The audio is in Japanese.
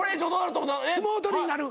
相撲取りになる。